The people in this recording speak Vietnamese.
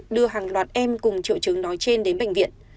đưa hàng loạt em cùng triệu chứng nói trên đến bệnh viện